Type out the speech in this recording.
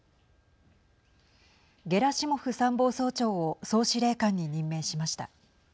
ゲラシモフ参謀総長を総司令官に任命しました。